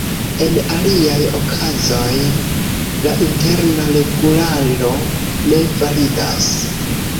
En aliaj okazoj, la Interna Regularo ne validas.